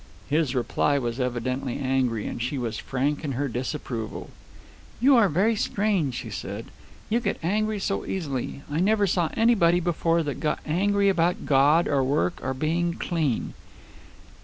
His reply was evidently angry, and she was frank in her disapproval. "You are very strange," she said. "You get angry so easily. I never saw anybody before that got angry about God, or work, or being clean."